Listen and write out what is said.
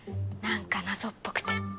なんか謎っぽくて。